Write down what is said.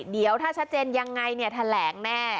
เดี๋ยวถ้าชัดเจนยังไงแถลงแน่